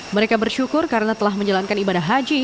mereka bersyukur karena telah menjalankan ibadah haji